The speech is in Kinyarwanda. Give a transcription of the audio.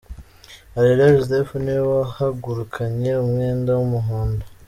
Areruya Joseph niwe wahagurukanye umwenda w'umuhondo.